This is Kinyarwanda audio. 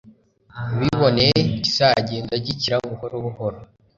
biboneye kizagenda gikira buhuro buhoro